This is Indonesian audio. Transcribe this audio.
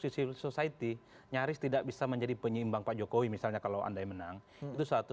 civil society nyaris tidak bisa menjadi penyeimbang pak jokowi misalnya kalau andai menang itu satu